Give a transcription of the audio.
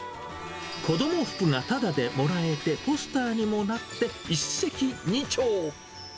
子ども服がただでもらえて、ポスターにもなって、一石二鳥。